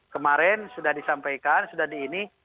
kemarin sudah disampaikan sudah di ini